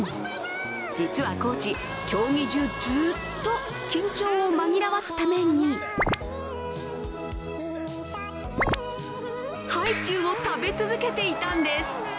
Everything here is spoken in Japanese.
実はコーチ、競技中ずっと緊張を紛らわすためにハイチュウを食べ続けていたんです。